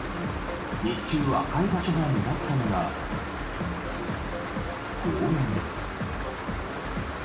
日中、赤い場所が目立ったのが公園です。